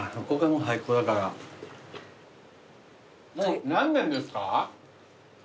もう何年ですか？